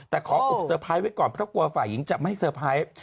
แต่ขออุบเซอร์ไพรส์ไว้ก่อนเพราะกลัวฝ่ายหญิงจะไม่เซอร์ไพรส์